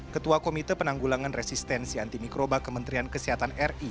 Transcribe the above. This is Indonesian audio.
ketua komite penanggulangan resistensi antimikroba kementerian kesehatan ri